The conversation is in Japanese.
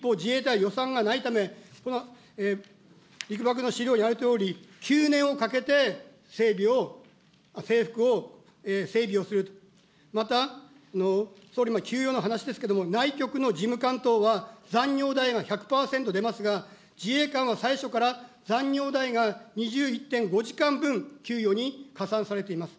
一方、自衛隊、予算がないため、陸幕の資料にあるとおり、９年をかけて、整備を、制服を整備をすると、また、総理、給与の話ですけれども、内局の事務担当は、残業代が１００％出ますが、自衛官は最初から残業代が２１．５時間分給与に加算されています。